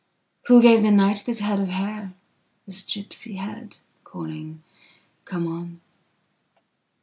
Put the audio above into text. Who gave the nightthis head of hair, this gipsy headcalling: Come on?